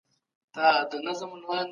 غم ژوند لنډوي، خوښي ژوند اوږدوي